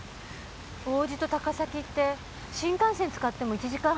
王子と高崎って新幹線使っても１時間半くらいかかるよね。